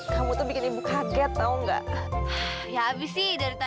sembilan ratus tujuh gak ga gua kemana mana